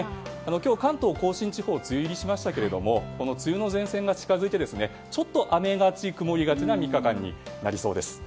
今日、関東・甲信地方梅雨入りしましたけど梅雨の前線が近づいてちょっと雨がち曇りがちな３日間になりそうです。